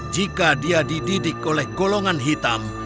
jika dia dididik oleh golongan hitam